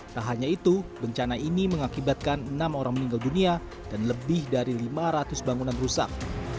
tak hanya itu bencana ini mengakibatkan enam orang meninggal dunia dan lebih dari lima ratus bangunan rusak